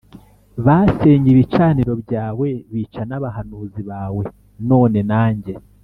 Basenye ibicaniro byawe bica n abahanuzi bawe None nanjye